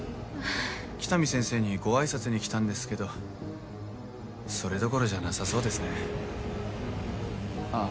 喜多見先生にご挨拶に来たんですけどそれどころじゃなさそうですねああ